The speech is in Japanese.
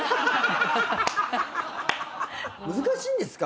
難しいんですか？